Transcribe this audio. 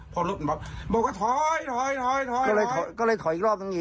พ่อรุ่นบอกบอกว่าถอยถอยถอยถอยถอยก็เลยถอยอีกรอบนึงอีก